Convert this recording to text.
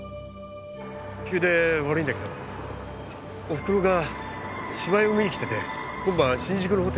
急で悪いんだけどおふくろが芝居を見に来てて今晩新宿のホテルに泊まるんだ。